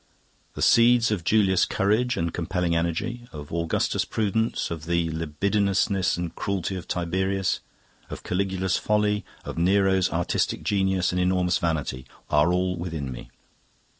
The seeds of Julius's courage and compelling energy, of Augustus's prudence, of the libidinousness and cruelty of Tiberius, of Caligula's folly, of Nero's artistic genius and enormous vanity, are all within me.